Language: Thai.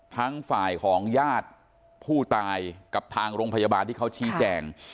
ทั้งฝ่ายของญาติผู้ตายกับทางโรงพยาบาลที่เขาชี้แจง